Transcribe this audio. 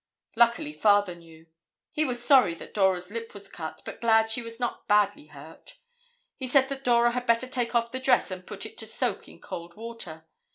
Luckily Father knew. He was sorry that Dora's lip was cut, but glad she was not badly hurt. He said that Dora had better take off the dress and put it to soak in cold water.